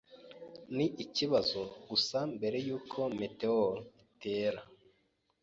Ni ikibazo gusa mbere yuko meteor itera.